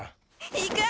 行く！